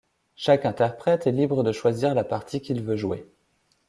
Chaque interprète est libre de choisir la partie qu'il veut jouer.